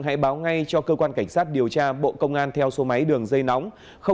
hãy báo ngay cho cơ quan cảnh sát điều tra bộ công an theo số máy đường dây nóng